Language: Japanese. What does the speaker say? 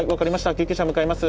救急車向かいます。